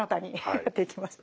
はい。